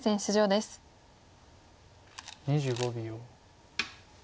２５秒。